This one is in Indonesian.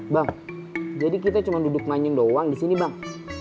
bang jadi kita cuman duduk manjung doang disini bang